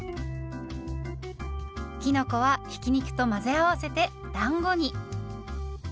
きのこはひき肉と混ぜ合わせてだんごに。